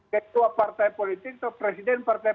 ketua partai politik atau presiden partai